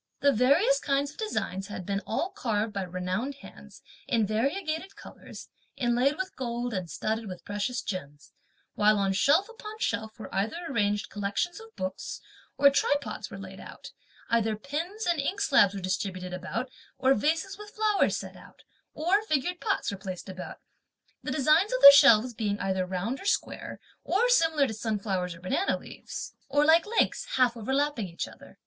The various kinds of designs had been all carved by renowned hands, in variegated colours, inlaid with gold, and studded with precious gems; while on shelf upon shelf were either arranged collections of books, or tripods were laid out; either pens and inkslabs were distributed about, or vases with flowers set out, or figured pots were placed about; the designs of the shelves being either round or square; or similar to sunflowers or banana leaves; or like links, half overlapping each other.